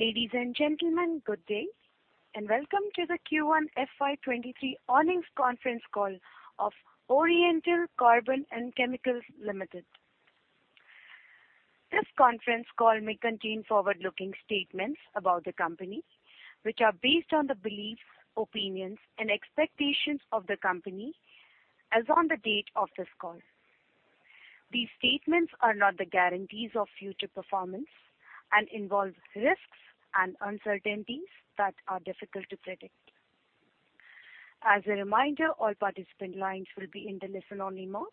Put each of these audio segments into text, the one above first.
Ladies and gentlemen, good day, and welcome to the Q1 FY23 earnings conference call of Oriental Carbon and Chemicals Limited. This conference call may contain forward-looking statements about the company, which are based on the beliefs, opinions and expectations of the company as on the date of this call. These statements are not the guarantees of future performance and involve risks and uncertainties that are difficult to predict. As a reminder, all participant lines will be in the listen only mode,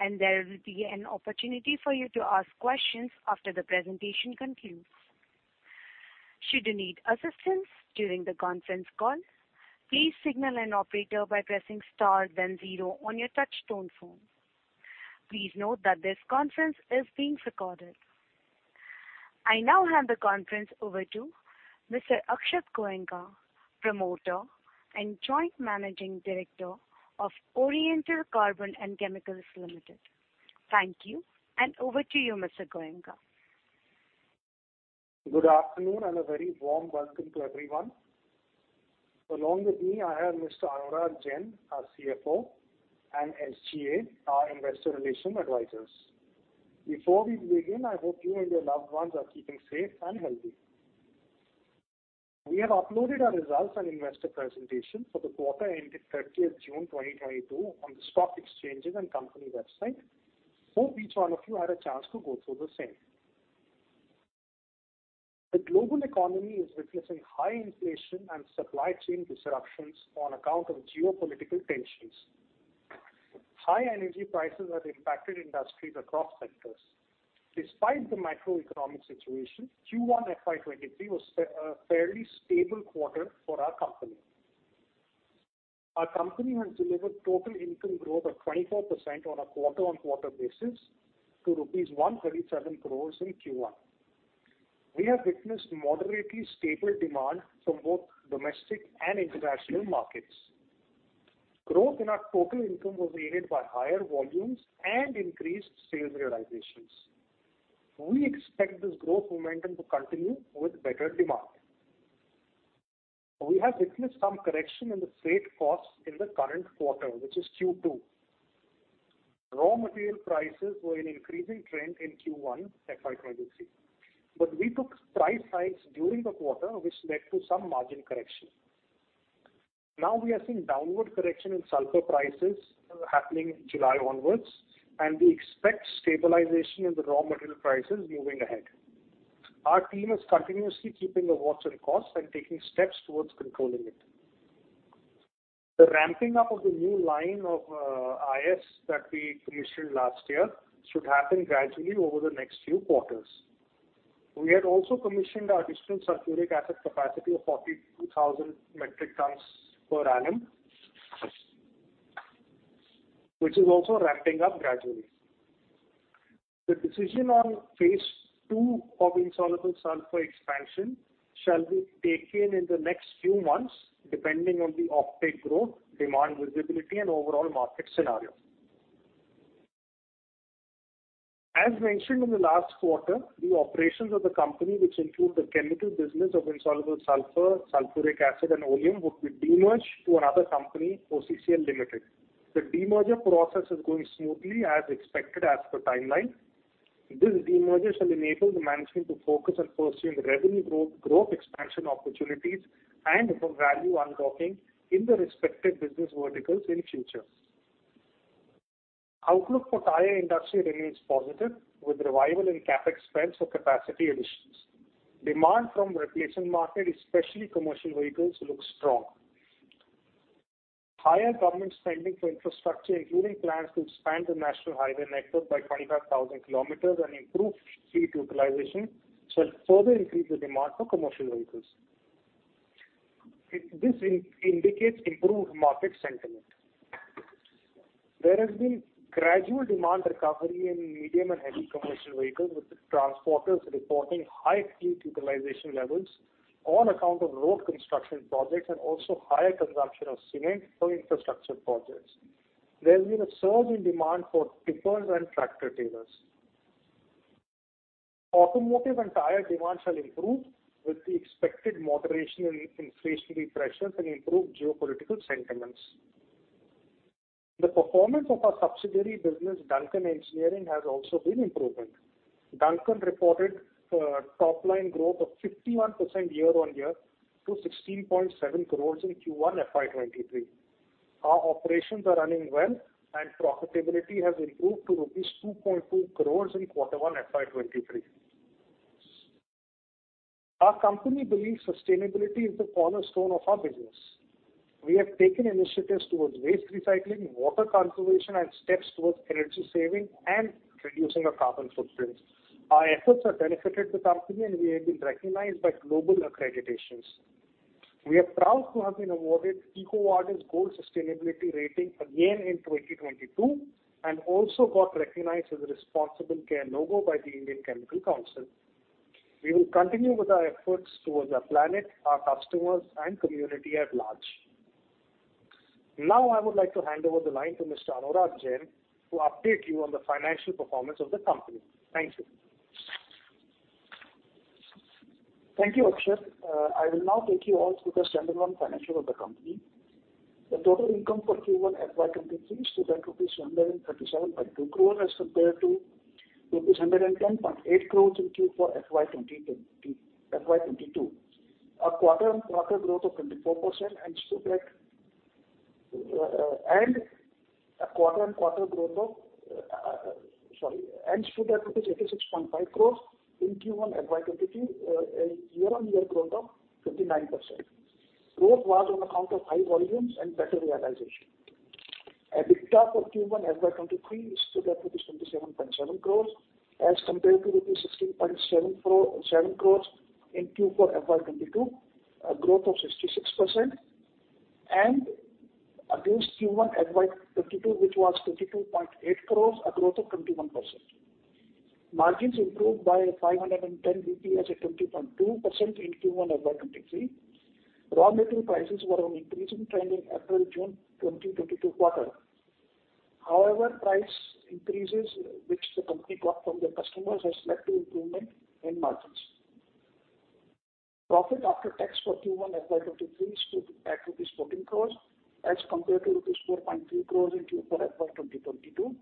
and there will be an opportunity for you to ask questions after the presentation concludes. Should you need assistance during the conference call, please signal an operator by pressing star then zero on your touch tone phone. Please note that this conference is being recorded. I now hand the conference over to Mr. Akshat Goenka, Promoter and Joint Managing Director of Oriental Carbon and Chemicals Limited. Thank you, and over to you, Mr. Goenka. Good afternoon and a very warm welcome to everyone. Along with me, I have Mr. Anurag Jain, our CFO, and SGA, our investor relations advisors. Before we begin, I hope you and your loved ones are keeping safe and healthy. We have uploaded our results and investor presentation for the quarter ending thirtieth June 2022 on the stock exchanges and company website. Hope each one of you had a chance to go through the same. The global economy is witnessing high inflation and supply chain disruptions on account of geopolitical tensions. High energy prices have impacted industries across sectors. Despite the macroeconomic situation, Q1 FY 2023 was a fairly stable quarter for our company. Our company has delivered total income growth of 24% on a quarter-on-quarter basis to rupees 137 crores in Q1. We have witnessed moderately stable demand from both domestic and international markets. Growth in our total income was aided by higher volumes and increased sales realizations. We expect this growth momentum to continue with better demand. We have witnessed some correction in the freight costs in the current quarter, which is Q2. Raw material prices were an increasing trend in Q1 FY 2023, but we took price hikes during the quarter, which led to some margin correction. Now we are seeing downward correction in Sulphur prices happening in July onwards, and we expect stabilization in the raw material prices moving ahead. Our team is continuously keeping a watch on costs and taking steps towards controlling it. The ramping up of the new line of IS that we commissioned last year should happen gradually over the next few quarters. We had also commissioned our additional Sulphuric Acid capacity of 42,000 metric tons per annum, which is also ramping up gradually. The decision on phase two of Insoluble Sulphur expansion shall be taken in the next few months, depending on the offtake growth, demand visibility and overall market scenario. As mentioned in the last quarter, the operations of the company, which include the chemical business of Insoluble Sulphur, Sulphuric Acid and Oleum, would be demerged to another company, OCCL Limited. The demerger process is going smoothly as expected as per timeline. This demerger shall enable the management to focus on pursuing revenue growth expansion opportunities and for value unlocking in the respective business verticals in future. Outlook for tire industry remains positive with revival in CapEx spends for capacity additions. Demand from replacement market, especially commercial vehicles, looks strong. Higher government spending for infrastructure, including plans to expand the national highway network by 25,000 kilometers and improve fleet utilization, shall further increase the demand for commercial vehicles. This indicates improved market sentiment. There has been gradual demand recovery in medium and heavy commercial vehicles with transporters reporting high fleet utilization levels on account of road construction projects and also higher consumption of cement for infrastructure projects. There's been a surge in demand for tippers and tractor trailers. Automotive and tire demand shall improve with the expected moderation in inflationary pressures and improved geopolitical sentiments. The performance of our subsidiary business, Duncan Engineering, has also been improving. Duncan reported top line growth of 51% year-on-year to 16.7 crores in Q1 FY 2023. Our operations are running well and profitability has improved to rupees 2.2 crores in quarter one FY 2023. Our company believes sustainability is the cornerstone of our business. We have taken initiatives towards waste recycling, water conservation and steps towards energy saving and reducing our carbon footprint. Our efforts have benefited the company, and we have been recognized by global accreditations. We are proud to have been awarded EcoVadis Gold Sustainability Rating again in 2022 and also got recognized as a Responsible Care Logo by the Indian Chemical Council. We will continue with our efforts towards our planet, our customers and community at large. Now I would like to hand over the line to Mr. Anurag Jain to update you on the financial performance of the company. Thank you. Thank you, Akshat. I will now take you all through the standalone financials of the company. The total income for Q1 FY 2023 stood at 137.2 crores as compared to rupees 110.8 crores in Q4 FY 2022. A quarter-over-quarter growth of 24% and stood at 86.5 crores in Q1 FY 2022, a year-over-year growth of 59%. Growth was on account of high volumes and better realization. EBITDA for Q1 FY 2023 stood at rupees 27.7 crores as compared to rupees 16.7 crores in Q4 FY 202022, a growth of 66% and against Q1 FY 22, which was 22.8 crores, a growth of 21%. Margins improved by 510 basis points at 20.2% in Q1 FY 2023. Raw material prices were on increasing trend in April-June 2022 quarter. However, price increases which the company got from the customers has led to improvement in margins. Profit after tax for Q1 FY 2023 stood at rupees 14 crore as compared to rupees 4.3 crore in Q4 FY 2022.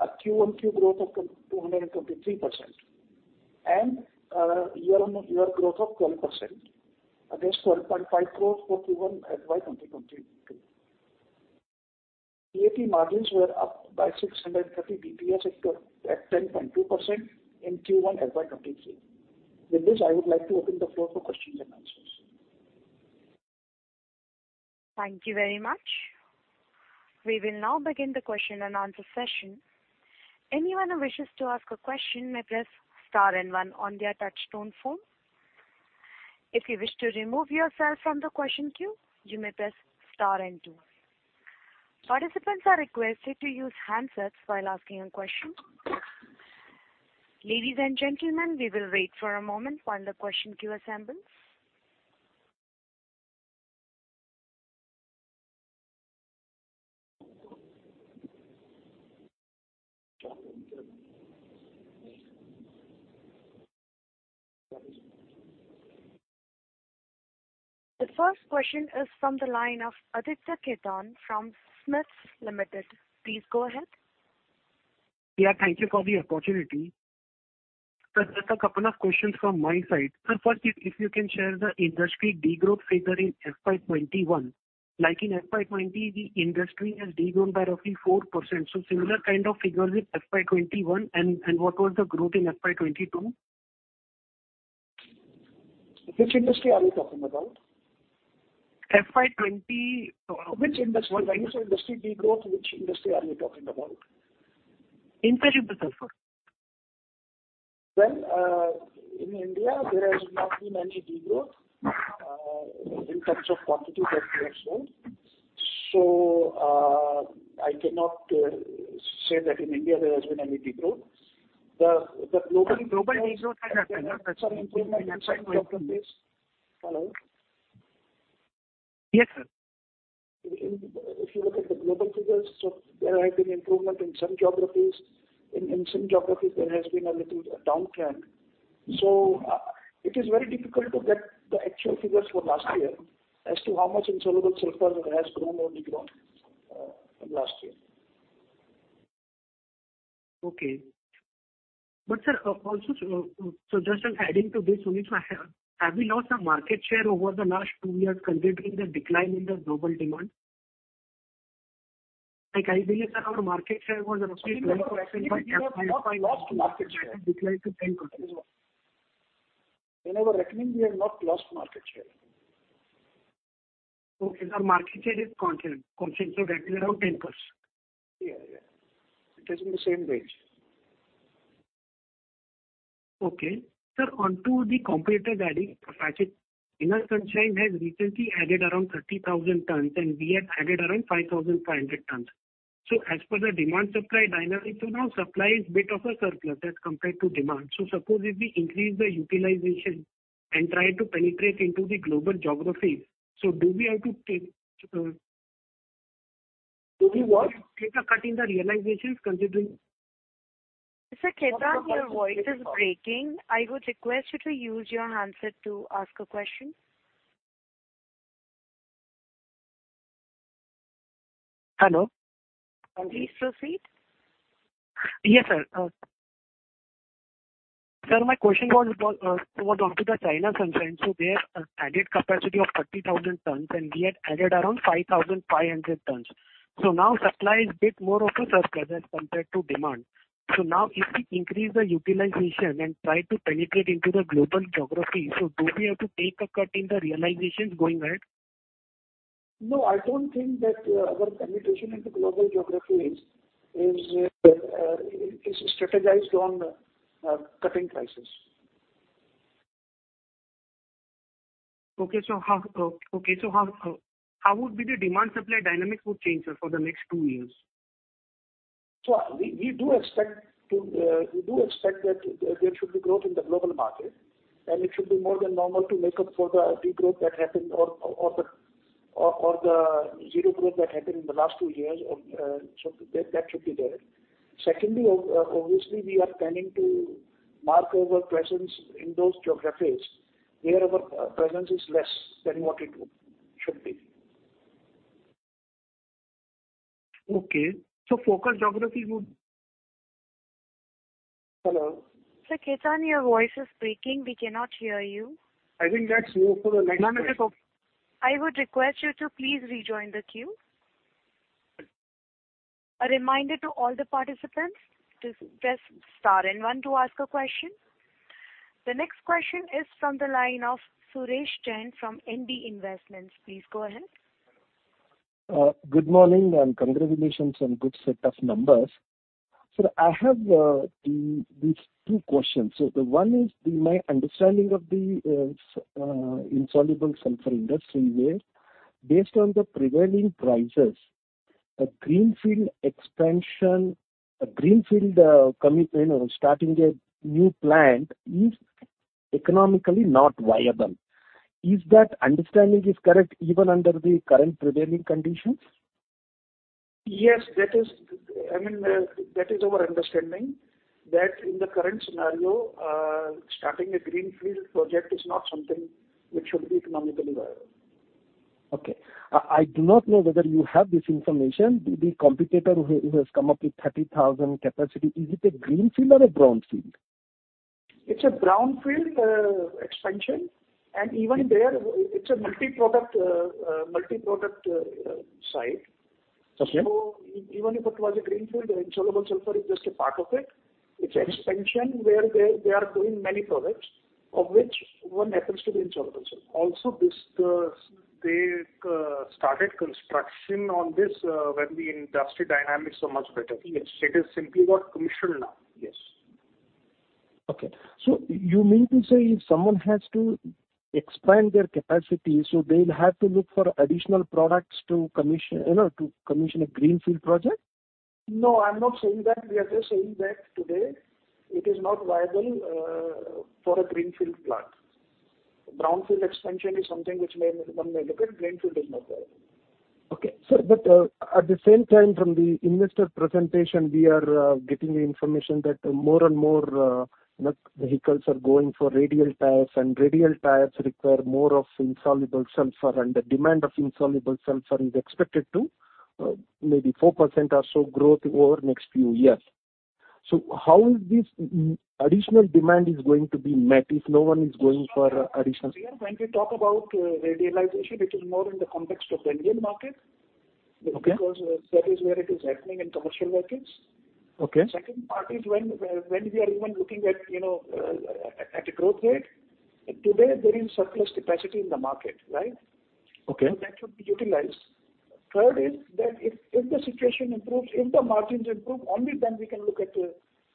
A Q-O-Q growth of 223% and year-on-year growth of 12% against 12.5 crore for Q1 FY 2022. PAT margins were up by 630 basis points at 10.2% in Q1 FY 2023. With this, I would like to open the floor for questions and answers. Thank you very much. We will now begin the question and answer session. Anyone who wishes to ask a question may press star and one on their touchtone phone. If you wish to remove yourself from the question queue, you may press star and two. Participants are requested to use handsets while asking a question. Ladies and gentlemen, we will wait for a moment while the question queue assembles. The first question is from the line of Aditya Khetan from SMIFS Limited. Please go ahead. Yeah, thank you for the opportunity. Sir, just a couple of questions from my side. Sir, first if you can share the industry degrowth figure in FY 2021. Like in FY 2020, the industry has degrown by roughly 4%, so similar kind of figures with FY 2021 and what was the growth in FY 2022? Which industry are you talking about? FY 20 Which industry? When you say industry degrowth, which industry are you talking about? Insoluble Sulphur. Well, in India there has not been any degrowth in terms of quantity that we have sold. I cannot say that in India there has been any degrowth. The global- Global degrowth has happened, no? That's why I'm asking. Hello? Yes, sir. If you look at the global figures, there have been improvement in some geographies. In some geographies there has been a little downtrend. It is very difficult to get the actual figures for last year as to how much Insoluble Sulphur has grown or degrown from last year. Okay. Sir, also so, just adding to this only, so have we lost our market share over the last two years considering the decline in the global demand? Like I believe, sir, our market share was roughly 12% in FY 20- In our reckoning we have not lost market share. Decline to 10%. In our reckoning, we have not lost market share. Okay. The market share is constant. Yeah, yeah. It is in the same range. Okay. Sir, onto the competitor adding capacity. China Sunshine has recently added around 30,000 tons and we have added around 5,500 tons. As per the demand supply dynamic, now supply is a bit of a surplus as compared to demand. Suppose if we increase the utilization and try to penetrate into the global geographies, do we have to take Do we what? Take a cut in the realizations considering. Mr. Khetan, your voice is breaking. I would request you to use your handset to ask a question. Hello? Please proceed. Yes, sir. Sir, my question was onto the China Sunsine. They have added capacity of 30,000 tons and we had added around 5,500 tons. Now supply is a bit more of a surplus as compared to demand. Now if we increase the utilization and try to penetrate into the global geography, do we have to take a cut in the realizations going ahead? No, I don't think that our penetration into global geographies is strategized on cutting prices. How would the demand supply dynamic change, sir, for the next two years? We do expect that there should be growth in the global market and it should be more than normal to make up for the de-growth that happened or the zero growth that happened in the last two years, so that should be there. Secondly, obviously, we are planning to mark our presence in those geographies where our presence is less than what it should be. Okay. Focal geography would. Hello? Sir Khetan, your voice is breaking. We cannot hear you. I think that's all. I would request you to please rejoin the queue. A reminder to all the participants to press star and one to ask a question. The next question is from the line of Suresh Jain from ND Investments. Please go ahead. Good morning and congratulations on good set of numbers. I have these two questions. The one is my understanding of the insoluble sulphur industry, where based on the prevailing prices, a greenfield expansion, commitment or starting a new plant is economically not viable. Is that understanding is correct even under the current prevailing conditions? Yes, I mean, that is our understanding, that in the current scenario, starting a greenfield project is not something which should be economically viable. Okay. I do not know whether you have this information. The competitor who has come up with 30,000 capacity, is it a greenfield or a brownfield? It's a brownfield expansion. Even there it's a multi-product site. Okay. Even if it was a greenfield, the Insoluble Sulphur is just a part of it. It's expansion where they are doing many products, of which one happens to be Insoluble Sulphur. Also this, they started construction on this, when the industry dynamics are much better. Yes. It is simply got commissioned now. Yes. You mean to say if someone has to expand their capacity, so they'll have to look for additional products to commission, you know, to commission a greenfield project? No, I'm not saying that. We are just saying that today it is not viable for a greenfield plant. Brownfield expansion is something which may, one may look at. Greenfield is not viable. Okay. Sir, at the same time, from the investor presentation, we are getting the information that more and more vehicles are going for radial tires, and radial tires require more of Insoluble Sulphur, and the demand of Insoluble Sulphur is expected to maybe 4% or so growth over next few years. How is this additional demand going to be met if no one is going for additional- When we talk about radialization, it is more in the context of the Indian market. Okay. Because that is where it is happening in commercial vehicles. Okay. Second part is when we are even looking at, you know, at a growth rate. Today there is surplus capacity in the market, right? Okay. That should be utilized. Third is that if the situation improves, if the margins improve, only then we can look at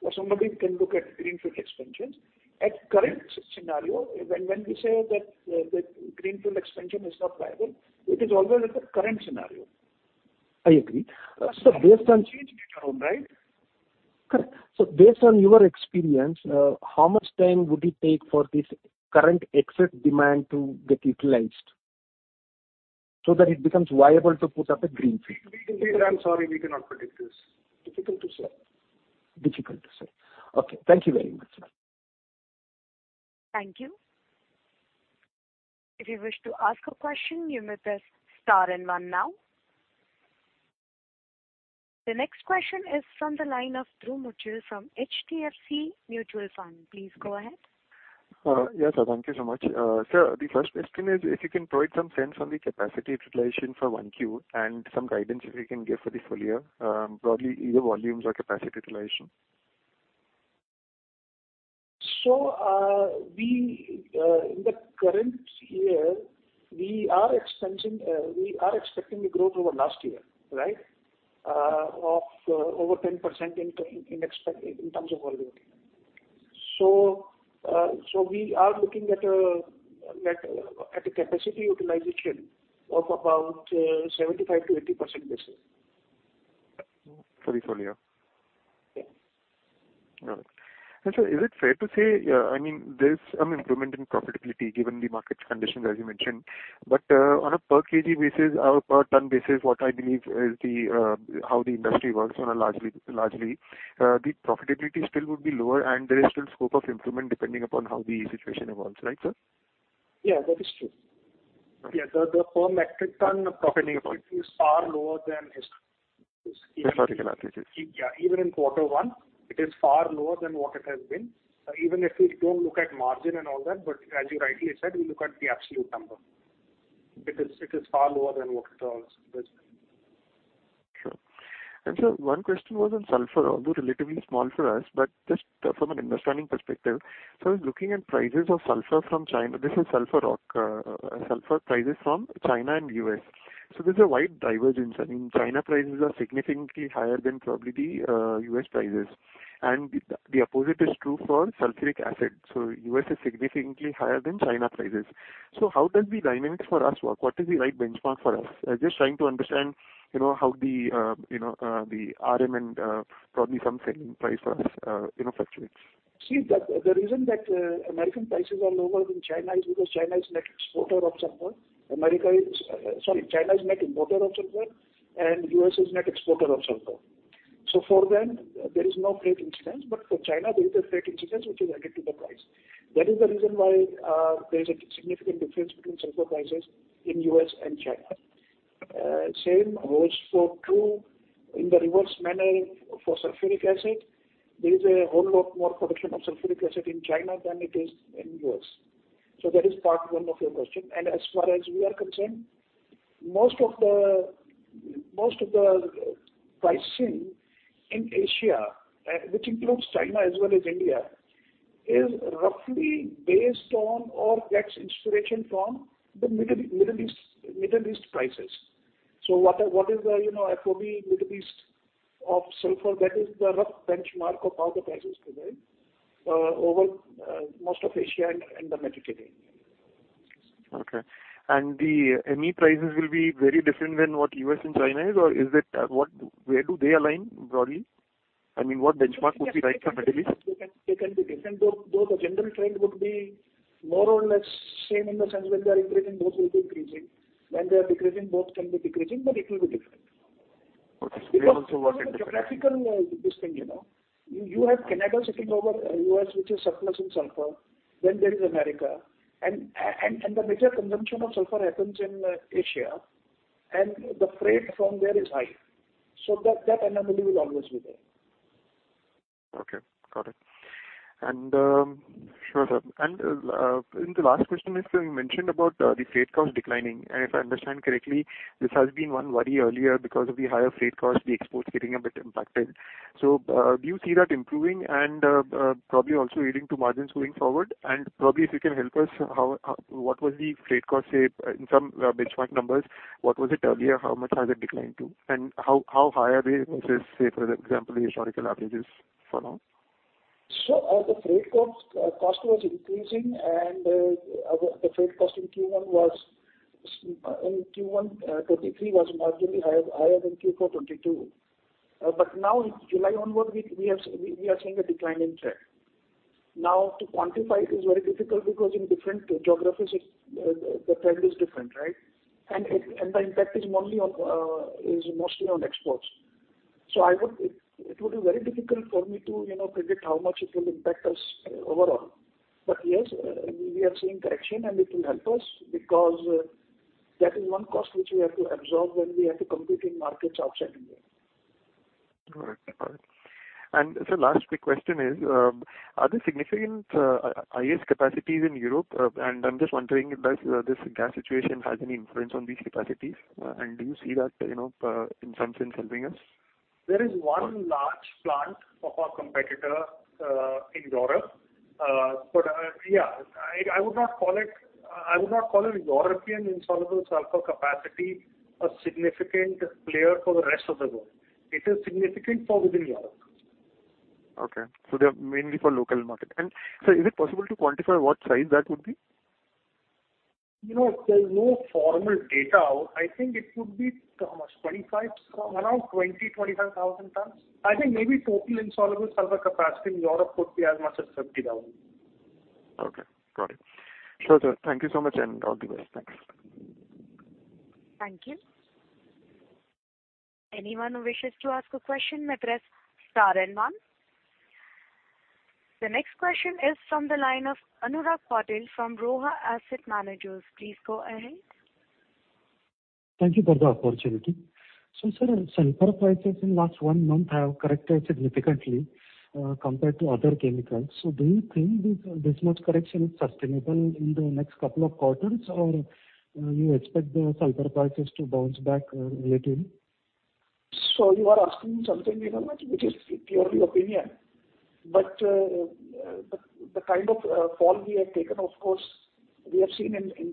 or somebody can look at greenfield expansions. At current scenario, when we say that the greenfield expansion is not viable, it is always the current scenario. I agree. Things change later on, right? Correct. Based on your experience, how much time would it take for this current excess demand to get utilized so that it becomes viable to put up a greenfield? I'm sorry, we cannot predict this. Difficult to say. Difficult to say. Okay. Thank you very much. Thank you. If you wish to ask a question, you may press star and one now. The next question is from the line of Dhruv Muchhal from HDFC Mutual Fund. Please go ahead. Yes, thank you so much. Sir, the first question is if you can provide some sense on the capacity utilization for 1Q and some guidance you can give for the full-year, probably either volumes or capacity utilization? In the current year, we are expanding. We are expecting a growth over last year of over 10% in terms of volume. We are looking at a capacity utilization of about 75%-80% this year. For this full-year? Yes. All right. Sir, is it fair to say, I mean, there's some improvement in profitability given the market conditions as you mentioned, but on a per KG basis or per ton basis, what I believe is the how the industry works on a largely the profitability still would be lower and there is still scope of improvement depending upon how the situation evolves. Right, sir? Yeah, that is true. Yeah. The per metric ton profitability is far lower than historical- Historical averages. Yeah. Even in quarter one it is far lower than what it has been. Even if we don't look at margin and all that, but as you rightly said, we look at the absolute number. It is far lower than what it was. Sure. Sir, one question was on sulphur, although relatively small for us, but just from an understanding perspective. I was looking at prices of sulphur from China. This is sulphur rock, sulphur prices from China and U.S. There's a wide divergence. I mean, China prices are significantly higher than probably, U.S. prices. The opposite is true for sulphuric Acid. U.S. is significantly higher than China prices. How does the dynamics for us work? What is the right benchmark for us? I'm just trying to understand, you know, how the, you know, the RM and, probably some selling price for us, you know, fluctuates. The reason that American prices are lower than in China is because China is a net exporter of sulphur. America is—sorry, China is a net importer of sulphur, The U.S. is a net exporter of sulphur. For them, there is no freight incidence, but for China there is a freight incidence which is added to the price. That is the reason why there is a significant difference between sulphur prices The U.S. and China. Same holds true in the reverse manner for sulphuric acid. There is a whole lot more production of sulphuric acid in China than it is in The U.S. That is part one of your question. As far as we are concerned, most of the pricing in Asia, which includes China as well as India, is roughly based on or gets inspiration from the Middle East prices. What is the, you know, FOB Middle East of sulphur, that is the rough benchmark of all the prices today, over most of Asia and the Mediterranean. Okay. The ME prices will be very different than what US and China is, or is it, where do they align broadly? I mean, what benchmark would be right for Middle East? They can be different, though the general trend would be more or less same in the sense when they are increasing, both will be increasing. When they are decreasing, both can be decreasing, but it will be different. Okay. Because of the geographical, this thing, you know. You have Canada sitting over U.S., which is surplus in Sulphur, then there is America and the major consumption of Sulphur happens in Asia, and the freight from there is high. That anomaly will always be there. Okay. Got it. Sure, sir. The last question is you mentioned about the freight cost declining. If I understand correctly, this has been one worry earlier because of the higher freight cost, the exports getting a bit impacted. Do you see that improving and probably also leading to margins going forward? Probably if you can help us, what was the freight cost, say, in some benchmark numbers, what was it earlier? How much has it declined to? How high are they versus, say, for example, the historical averages for now? The freight cost was increasing and the freight cost in Q1 2023 was marginally higher than Q4 2022. Now in July onward, we are seeing a decline in freight. Now, to quantify is very difficult because in different geographies it's the trend is different, right? The impact is mostly on exports. It would be very difficult for me to, you know, predict how much it will impact us overall. Yes, we are seeing correction and it will help us because that is one cost which we have to absorb when we have to compete in markets outside India. All right. Got it. Sir, last quick question is, are there significant IS capacities in Europe? I'm just wondering does this gas situation has any influence on these capacities? Do you see that, you know, in some sense helping us? There is one large plant of our competitor in Europe. I would not call a European insoluble sulphur capacity a significant player for the rest of the world. It is significant within Europe. Okay. They are mainly for local market. Sir, is it possible to quantify what size that would be? You know, there's no formal data. I think it could be how much? 25,000 around 20,000, 25,000 tons. I think maybe total Insoluble Sulphur capacity in Europe could be as much as 50,000. Okay. Got it. Sure, sir. Thank you so much, and all the best. Thanks. Thank you. Anyone who wishes to ask a question may press star and one. The next question is from the line of Anurag Patil from Roha Asset Managers. Please go ahead. Thank you for the opportunity. Sir, Sulphur prices in last one month have corrected significantly compared to other chemicals. Do you think this much correction is sustainable in the next couple of quarters, or you expect the Sulphur prices to bounce back relatively? You are asking something, Anurag, which is purely opinion. The kind of fall we have taken, of course, we have seen in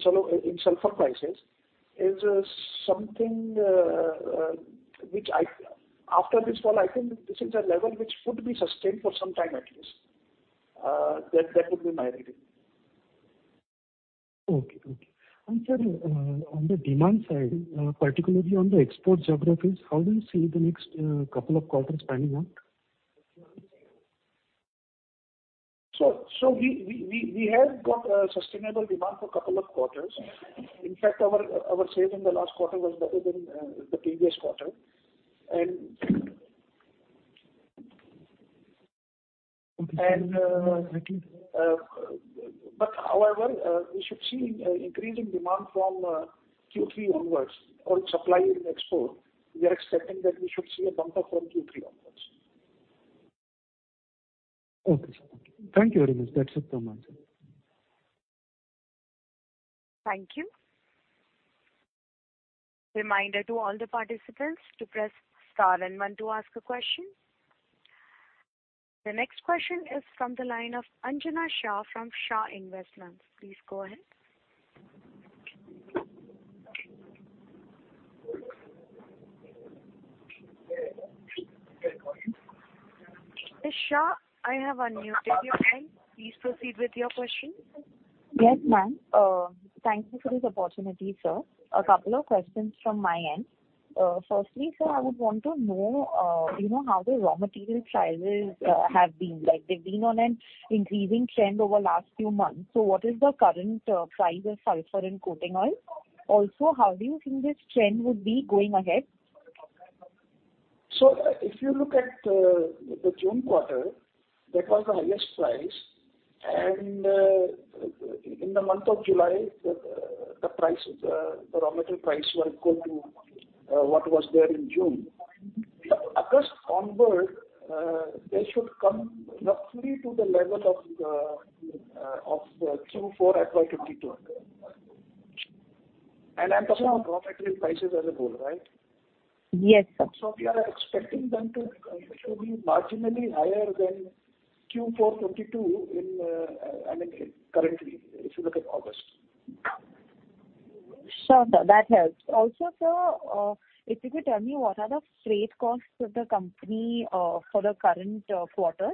sulphur prices, is something. After this fall, I think this is a level which could be sustained for some time at least. That would be my reading. Okay. Sir, on the demand side, particularly on the export geographies, how do you see the next couple of quarters panning out? We have got sustainable demand for couple of quarters. In fact, our sales in the last quarter was better than the previous quarter. Okay. And, uh- Thank you. However, we should see increasing demand from Q3 onwards or supply in export. We are expecting that we should see a bump up from Q3 onwards. Okay, sir. Thank you. Thank you very much. That's it from my side. Thank you. Reminder to all the participants to press star and one to ask a question. The next question is from the line of Anjana Shah from Shah Investments. Please go ahead. Mr. Shah, I have unmuted your line. Please proceed with your question. Yes, ma'am. Thank you for this opportunity, sir. A couple of questions from my end. Firstly, sir, I would want to know, you know, how the raw material prices have been. Like, they've been on an increasing trend over last few months. What is the current price of sulphur and coating oil? Also, how do you think this trend would be going ahead? If you look at the June quarter, that was the highest price. In the month of July, the raw material price were equal to what was there in June. August onward, they should come roughly to the level of the Q4 FY 2022. I'm talking of raw material prices as a whole, right? Yes, sir. We are expecting them to be marginally higher than Q4 2022 in, I mean, currently, if you look at August. Sure, sir. That helps. Also, sir, if you could tell me what are the freight costs of the company, for the current quarter?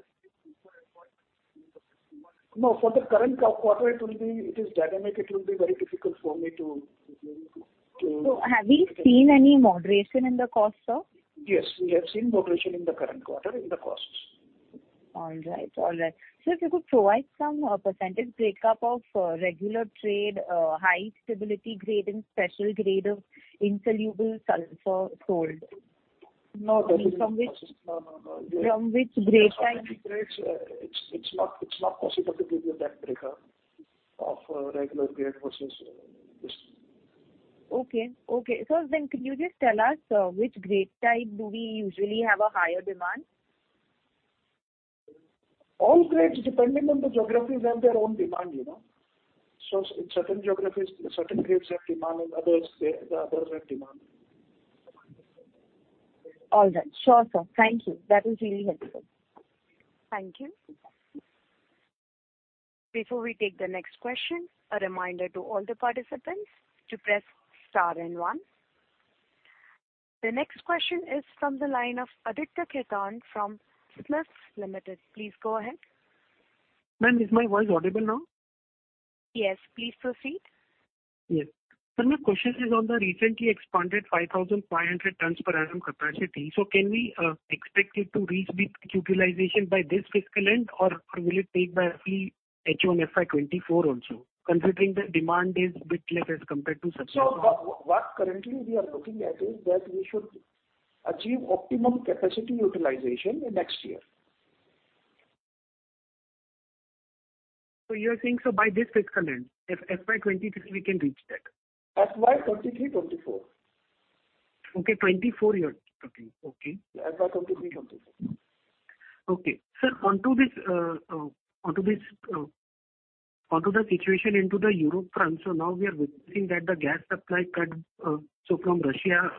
No, for the current quarter, it will be. It is dynamic. It will be very difficult for me to. Have you seen any moderation in the costs, sir? Yes, we have seen moderation in the current quarter in the costs. All right. Sir, if you could provide some percentage breakdown of regular grade, high stability grade and special grade of Insoluble sulphur sold? No. From which- No, no. From which grade type? It's not possible to give you that breakup of regular grade versus this. Okay. Sir, can you just tell us, which grade type do we usually have a higher demand? All grades, depending on the geographies, have their own demand, you know. In certain geographies, certain grades have demand, in others, the others have demand. All right. Sure, sir. Thank you. That was really helpful. Thank you. Before we take the next question, a reminder to all the participants to press star and one. The next question is from the line of Aditya Khetan from SMIFS Limited. Please go ahead. Ma'am, is my voice audible now? Yes, please proceed. Yes. Sir, my question is on the recently expanded 5,500 tons per annum capacity. Can we expect it to reach the utilization by this fiscal end, or will it take by, say, H1 FY 2024 also, considering the demand is a bit less as compared to- What currently we are looking at is that we should achieve optimum capacity utilization in next year. You are saying, so by this fiscal end, FY 2023, we can reach that? FY 2023/2024. Okay, 2024 you are talking. Okay. FY 2023-2024. Sir, on to the situation on the European front, now we are witnessing that the gas supply cut from Russia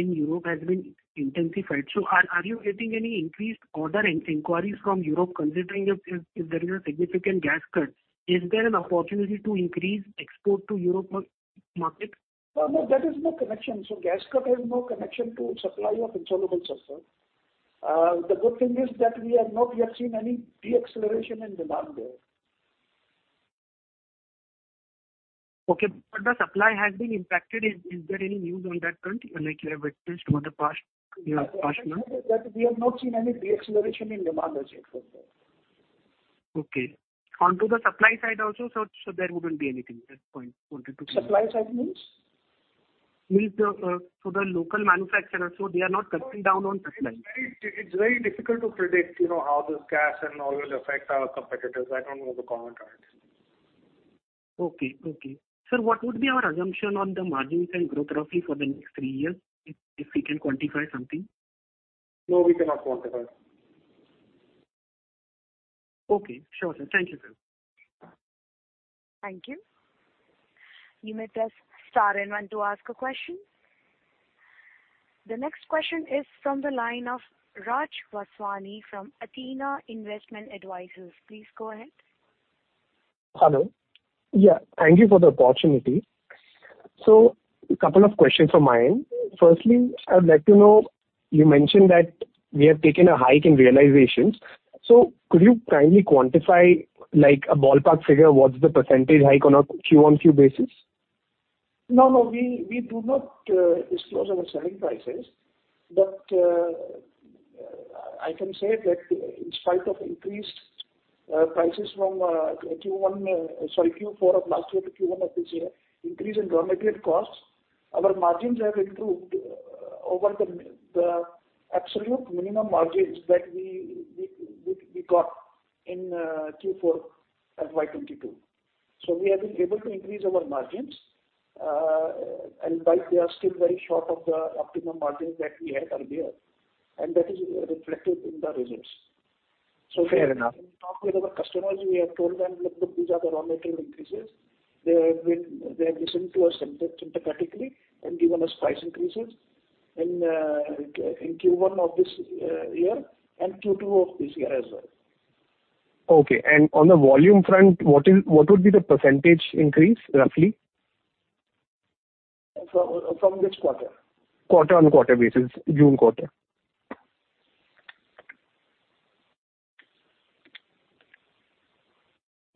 to Europe has been intensified. Are you getting any increased orders or inquiries from Europe, considering if there is a significant gas cut, is there an opportunity to increase export to the European market? No, no, there is no connection. Gas cut has no connection to supply of Insoluble Sulphur. The good thing is that we have not yet seen any deceleration in demand there. Okay. The supply has been impacted. Is there any news on that front, like you have witnessed over the past, you know, past month? That we have not seen any deceleration in demand as yet. Okay. Onto the supply side also, so there wouldn't be anything at this point? Supply side means? Means the local manufacturers are not cutting down on supply. It's very difficult to predict, you know, how this gas and all will affect our competitors. I don't want to comment on it. Okay. Sir, what would be our assumption on the margins and growth roughly for the next three years, if we can quantify something? No, we cannot quantify. Okay. Sure, sir. Thank you, sir. Thank you. You may press star and one to ask a question. The next question is from the line of Raj Vaswani from Athena Investment Advisors. Please go ahead. Hello. Yeah, thank you for the opportunity. Couple of questions from my end. Firstly, I would like to know, you mentioned that we have taken a hike in realizations. Could you kindly quantify, like a ballpark figure, what's the percentage hike on a Q-O-Q basis? No, no. We do not disclose our selling prices. I can say that in spite of increased prices from Q1, sorry, Q4 of last year to Q1 of this year, increase in raw material costs, our margins have improved over the absolute minimum margins that we got in Q4 FY 2022. We have been able to increase our margins, and while they are still very short of the optimum margins that we had earlier, and that is reflected in the results. Fair enough. When we talk with our customers, we have told them, "Look, these are the raw material increases." They have listened to us sympathetically and given us price increases in Q1 of this year and Q2 of this year as well. Okay. On the volume front, what would be the percentage increase roughly? From which quarter? Quarter-on-quarter basis, June quarter.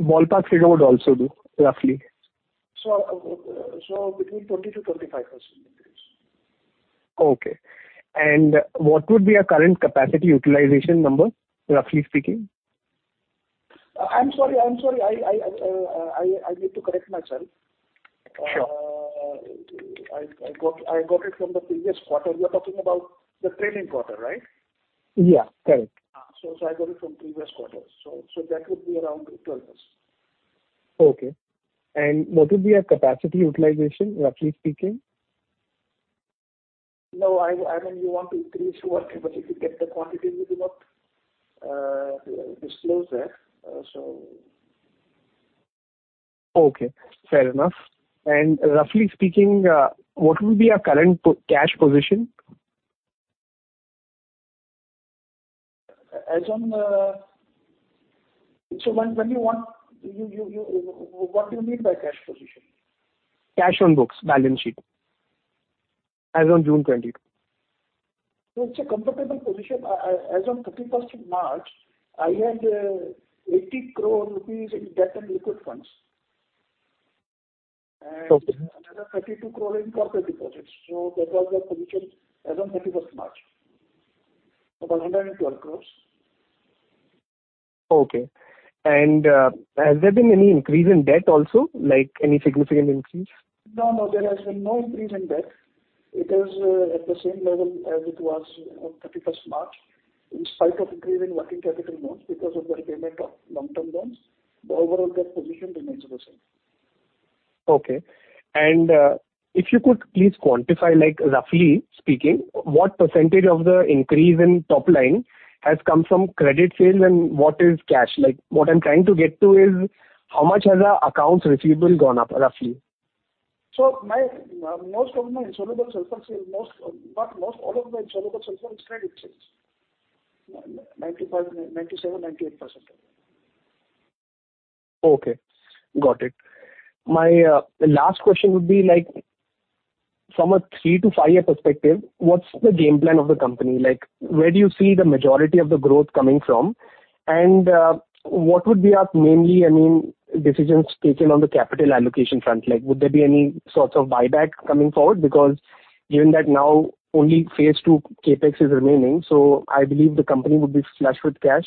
Ballpark figure would also do, roughly. Between 20% to 25% increase. Okay. What would be our current capacity utilization number, roughly speaking? I'm sorry. I need to correct myself. Sure. I got it from the previous quarter. We are talking about the trailing quarter, right? Yeah, correct. I got it from previous quarter. That would be around 12%. Okay. What would be our capacity utilization, roughly speaking? No, I mean, you want to increase working, but if you get the quantity, we do not disclose that, so... Okay, fair enough. Roughly speaking, what will be our current cash position? What do you mean by cash position? Cash on books, balance sheet as on June 22. It's a comfortable position. As on 31st March, I had 80 crore rupees in debt and liquid funds. Okay. Another 32 crore in corporate deposits. That was the position as on 31st March. About INR 112 crore. Okay. Has there been any increase in debt also, like any significant increase? No, no. There has been no increase in debt. It is at the same level as it was on 31st March. In spite of increase in working capital loans because of the repayment of long-term loans, the overall debt position remains the same. Okay. If you could please quantify, like roughly speaking, what percentage of the increase in top line has come from credit sales and what is cash like? What I'm trying to get to is how much has our accounts receivable gone up, roughly? Most of my insoluble sulphur sales, but most all of my insoluble sulphur is credit sales. 95%, 97%, 98%. Okay, got it. My last question would be like from a three to five-year perspective, what's the game plan of the company? Like where do you see the majority of the growth coming from? And what would be our mainly, I mean, decisions taken on the capital allocation front? Like would there be any sorts of buyback coming forward? Because given that now only phase two CapEx is remaining, so I believe the company would be flush with cash.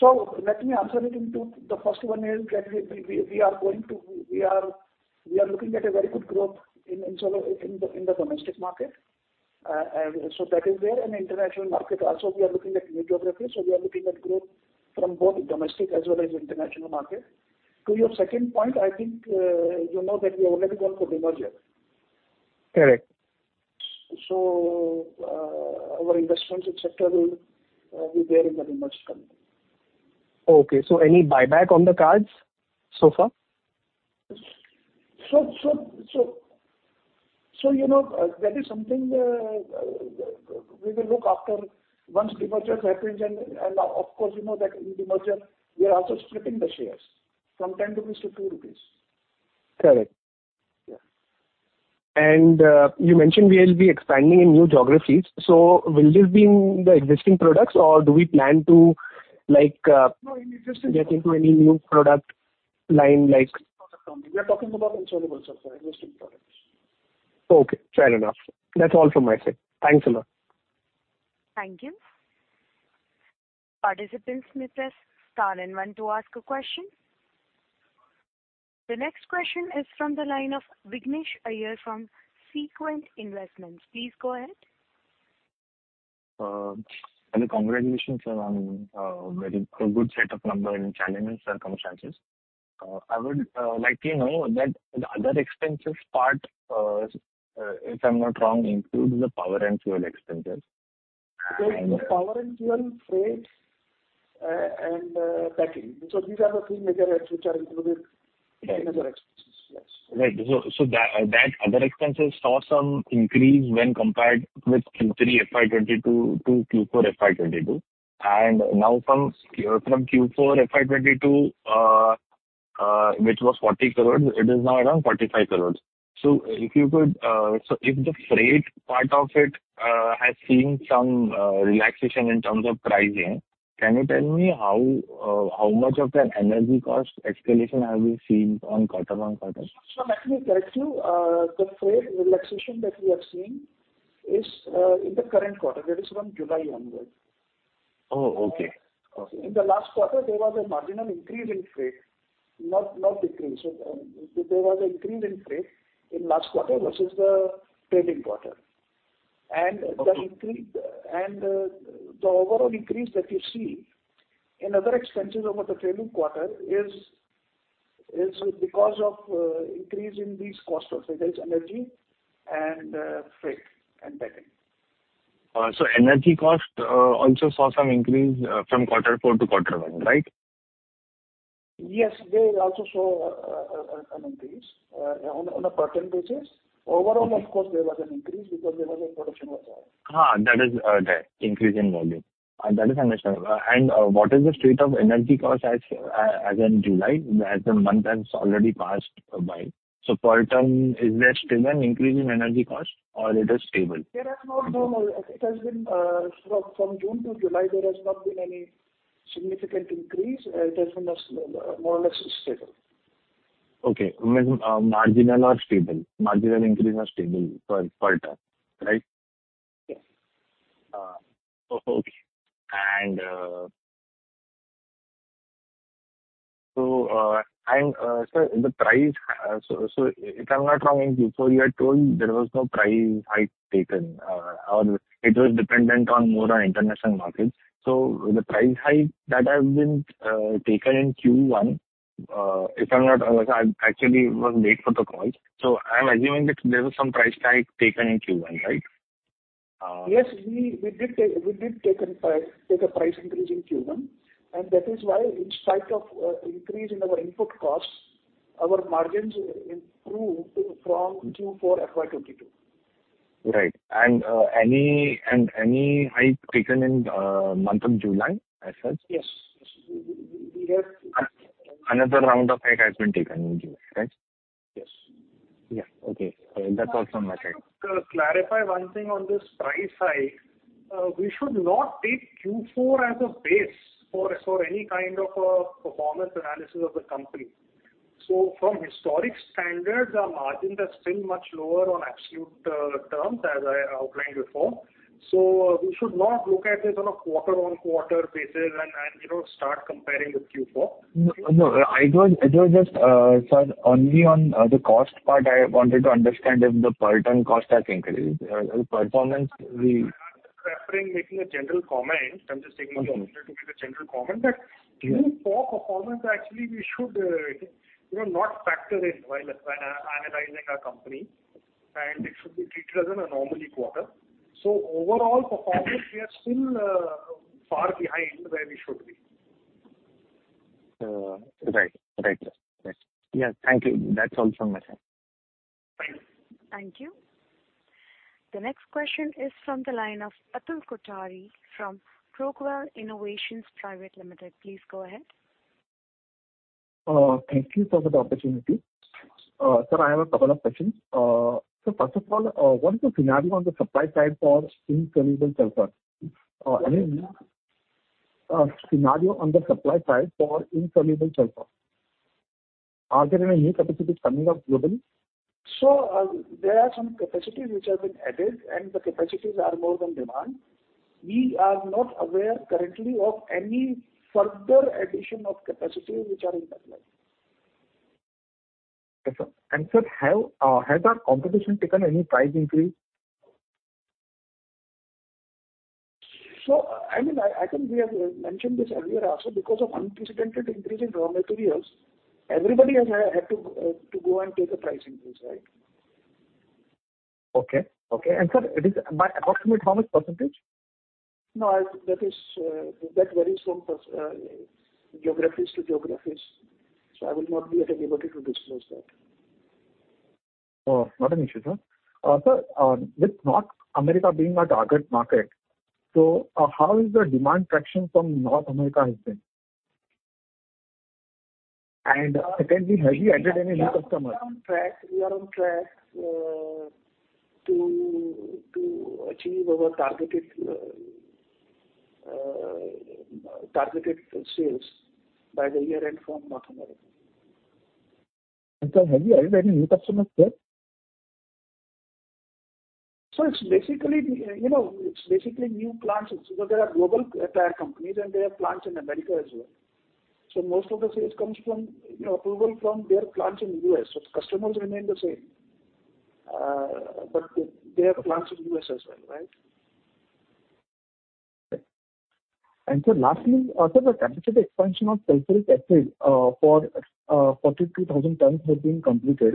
Let me answer it and to the first one is that we are looking at a very good growth in sulphur in the domestic market. That is there. In the international market also we are looking at new geographies. We are looking at growth from both domestic as well as international market. To your second point, I think you know that we have already gone for demerger. Correct. Our investments, et cetera, will be there in the demerged company. Okay. Any buyback on the cards so far? You know, that is something we will look after once demerger happens. Of course, you know that in demerger we are also splitting the shares from 10 rupees to 2 rupees. Correct. Yeah. You mentioned we'll be expanding in new geographies. Will this be in the existing products or do we plan to like? No, in existing. get into any new product line like We are talking about Insoluble Sulphur, existing products. Okay. Fair enough. That's all from my side. Thanks a lot. Thank you. Participant Smith has stolen one to ask a question. The next question is from the line of Vignesh Iyer from Sequent Investments. Please go ahead. Hello. Congratulations on very good set of numbers in challenging circumstances. I would like to know that the other expenses part, if I'm not wrong, includes the power and fuel expenses. There is power and fuel, freight, and packing. These are the three major heads which are included. Yes. in other expenses. Yes. Other expenses saw some increase when compared with Q3 FY 2022 to Q4 FY 2022. Now from Q4 FY 2022, which was 40 crores, it is now around 45 crores. If you could, if the freight part of it has seen some relaxation in terms of pricing, can you tell me how much of that energy cost escalation have you seen on quarter-on-quarter? Let me correct you. The freight relaxation that we have seen is in the current quarter. That is from July onwards. Oh, okay. Okay. In the last quarter, there was a marginal increase in freight, not a decrease. There was an increase in freight in last quarter versus the trailing quarter. Okay. The overall increase that you see in other expenses over the trailing quarter is because of increase in these costs also, that is energy and freight and packing. Energy cost also saw some increase from quarter four to quarter one, right? Yes. They also saw an increase on a quarter basis. Okay. Overall, of course, there was an increase because production was high. That is the increase in volume. That is understandable. What is the state of energy cost as in July, as the month has already passed by? For the time, is there still an increase in energy cost or it is stable? It has been from June to July, there has not been any significant increase. There's more or less stable. Okay. You mean, marginal or stable? Marginal increase or stable per ton, right? Yes. Sir, the price, so if I'm not wrong, before you had told there was no price hike taken, or it was dependent more on international markets. The price hike that has been taken in Q1. I actually was late for the call. I'm assuming that there was some price hike taken in Q1, right? Yes, we did take a price increase in Q1, and that is why in spite of increase in our input costs, our margins improved from Q4 FY22. Right. Any hike taken in month of July as such? Yes. We have. Another round of hike has been taken in July, right? Yes. Yeah. Okay. That's all from my side. To clarify one thing on this price hike, we should not take Q4 as a base for any kind of a performance analysis of the company. From historic standards, our margins are still much lower on absolute terms as I outlined before. We should not look at this on a quarter-over-quarter basis and, you know, start comparing with Q4. No, I was just, sir, only on the cost part I wanted to understand if the per ton cost has increased. I'm just preferring making a general comment. I'm just taking the opportunity. Okay. -to make a general comment that- Yeah. Q4 performance actually we should, you know, not factor in while, when analyzing our company, and it should be treated as an anomaly quarter. Overall performance, we are still far behind where we should be. Right. Yeah. Thank you. That's all from my side. Thank you. Thank you. The next question is from the line of Atul Kothari from Progrow Innovations Private Limited. Please go ahead. Thank you for the opportunity. Sir, I have a couple of questions. First of all, what is the scenario on the supply side for Insoluble Sulphur? I mean, are there any new capacities coming up globally? There are some capacities which have been added, and the capacities are more than demand. We are not aware currently of any further addition of capacity which are in the pipeline. Okay, sir. Sir, has our competition taken any price increase? I mean, I think we have mentioned this earlier also. Because of unprecedented increase in raw materials, everybody has had to go and take a price increase, right? Okay. Sir, it is approximately how much percentage? No. That is, that varies from geographies to geographies, so I will not be at liberty to disclose that. Oh, not an issue, sir. Sir, with North America being our target market, so, how is the demand traction from North America has been? And again, we have added any new customers? We are on track to achieve our targeted sales by the year-end from North America. Sir, have you added any new customers there? It's basically, you know, it's basically new plants. There are global tire companies, and they have plants in America as well. Most of the sales comes from, you know, approval from their plants in U.S. Customers remain the same, but they have plants in U.S. as well, right? Sir, lastly, sir, the capacity expansion of Sulphuric Acid for 42,000 tons has been completed.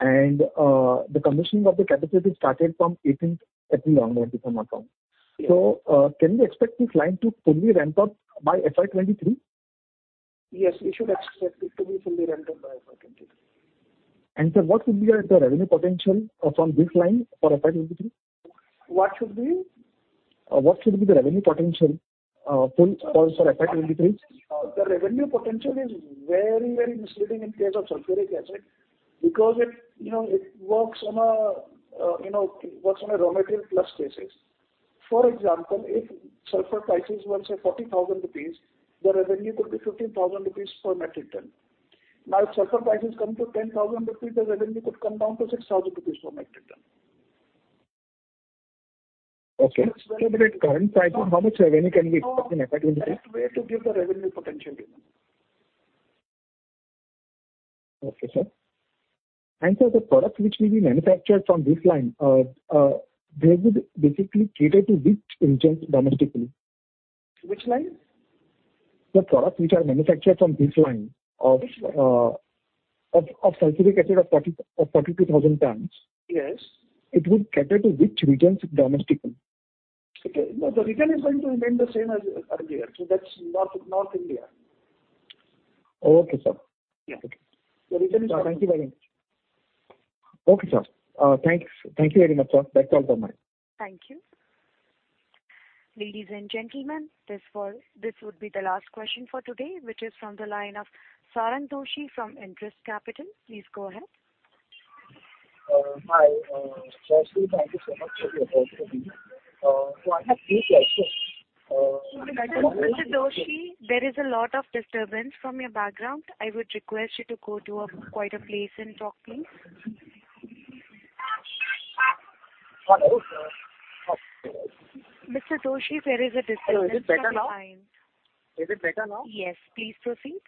The commissioning of the capacity started from eighteenth April, if I'm not wrong. Yes. Can we expect this line to fully ramp up by FY 2023? Yes, we should expect it to be fully ramped up by FY 2023. Sir, what would be the revenue potential from this line for FY 2023? What should be? What should be the revenue potential, full for FY 2023? The revenue potential is very, very misleading in case of sulphuric acid because it, you know, works on a raw material plus basis. For example, if sulphur prices were, say, 40,000 rupees, the revenue could be 15,000 rupees per metric ton. Now if sulphur prices come to 10,000 rupees, the revenue could come down to 6,000 rupees per metric ton. Okay. At current prices, how much revenue can we expect in FY 2023? No best way to give the revenue potential to you. Okay, sir. Sir, the product which will be manufactured from this line, they would basically cater to which regions domestically? Which line? The product which are manufactured from this line of. Which line? of sulphuric Acid of 42,000 tons. Yes. It would cater to which regions domestically? Okay. No, the region is going to remain the same as earlier, so that's North India. Okay, sir. Yeah. Okay. The region is North India. Thank you very much. Okay, sir. Thanks. Thank you very much, sir. That's all from my end. Thank you. Ladies and gentlemen, this would be the last question for today, which is from the line of Sarang Doshi from Intress Capital. Please go ahead. Hi, firstly, thank you so much for the opportunity. I have three questions. Mr. Doshi, there is a lot of disturbance from your background. I would request you to go to a quieter place and talk, please. Hello, sir. Mr. Doshi, there is a disturbance from your line. Is it better now? Is it better now? Yes. Please proceed.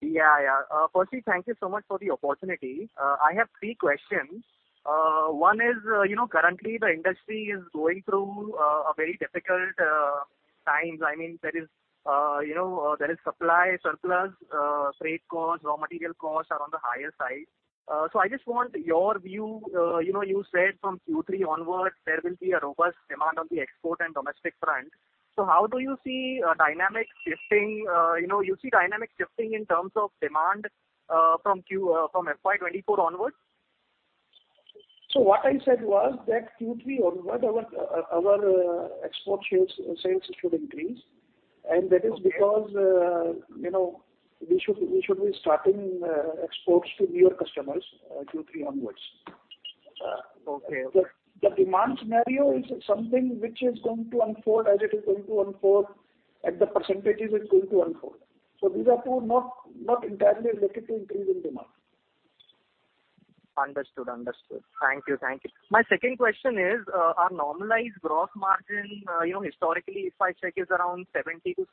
Yeah, yeah. Firstly, thank you so much for the opportunity. I have three questions. One is, you know, currently the industry is going through a very difficult times. I mean, there is supply surplus, freight costs, raw material costs are on the higher side. I just want your view. You know, you said from Q3 onwards, there will be a robust demand on the export and domestic front. How do you see dynamics shifting? You know, you see dynamics shifting in terms of demand, from FY 2024 onwards. What I said was that Q3 onward our export shares, sales should increase. Okay. That is because, you know, we should be starting exports to newer customers, Q3 onwards. Okay. The demand scenario is something which is going to unfold as it is going to unfold, at the percentages it's going to unfold. These are two, not entirely related to increase in demand. Understood. Thank you. My second question is, our normalized gross margin, you know, historically if I check is around 70%-72%,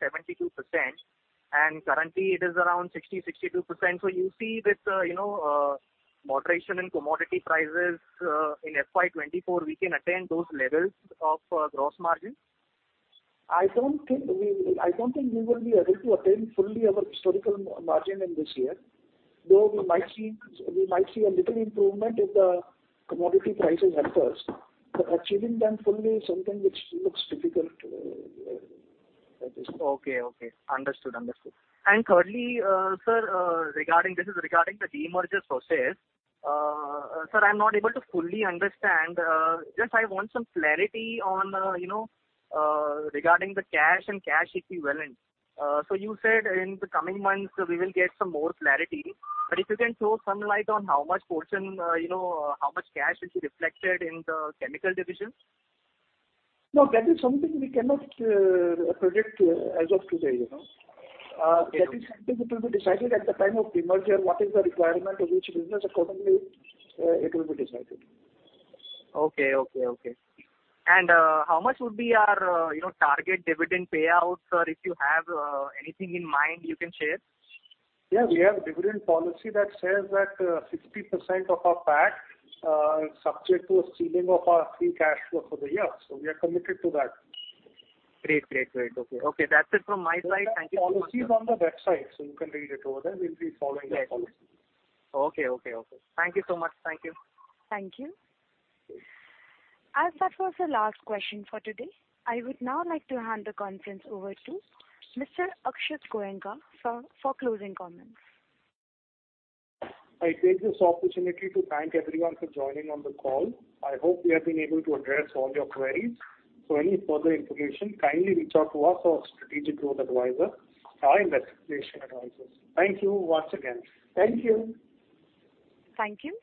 and currently it is around 60%-62%. You see this, you know, moderation in commodity prices, in FY 2024, we can attain those levels of, gross margin? I don't think we will be able to attain fully our historical margin in this year, though we might see a little improvement if the commodity prices help us. Achieving them fully is something which looks difficult at this point. Okay. Understood. Thirdly, sir, this is regarding the demerger process. Sir, I'm not able to fully understand. Just I want some clarity on, you know, regarding the cash and cash equivalent. So you said in the coming months we will get some more clarity. If you can throw some light on how much portion, you know, how much cash will be reflected in the chemical division. No, that is something we cannot predict as of today, you know. Okay. That is something which will be decided at the time of demerger. What is the requirement of each business, accordingly, it will be decided. Okay. How much would be our, you know, target dividend payout? Sir, if you have anything in mind you can share. We have dividend policy that says that 60% of our PAT is subject to a ceiling of our free cash flow for the year. We are committed to that. Great. Okay, that's it from my side. Thank you so much, sir. The policy is on the website, so you can read it over there. We'll be following that policy. Yes. Okay. Thank you so much. Thank you. Thank you. As that was the last question for today, I would now like to hand the conference over to Mr. Akshat Goenka for closing comments. I take this opportunity to thank everyone for joining on the call. I hope we have been able to address all your queries. For any further information, kindly reach out to us or Strategic Growth Advisor or Investor Relations Advisors. Thank you once again. Thank you. Thank you.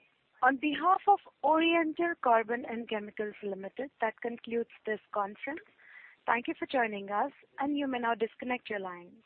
On behalf of Oriental Carbon and Chemicals Limited, that concludes this conference. Thank you for joining us, and you may now disconnect your lines.